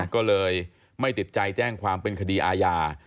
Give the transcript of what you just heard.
ก็เลยไม่ติดใจแจ้งความเป็นคดีอาญา